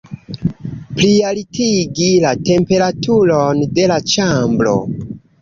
Plialtigi la temperaturon de la ĉambro!